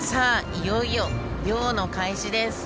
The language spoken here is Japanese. いよいよ漁の開始です。